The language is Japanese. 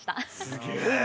◆すげえな。